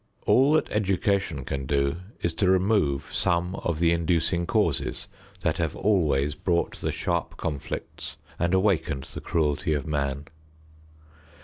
All that education can do is to remove some of the inducing causes that have always brought the sharp conflicts and awakened the cruelty of man.